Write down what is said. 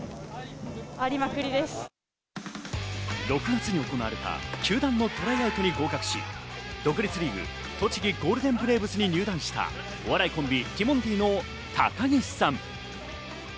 ６月に行われた球団のトライアウトに合格し、独立リーグ・栃木ゴールデンブレーブスに入団したお笑いコンビ・ティモンディの高岸さん。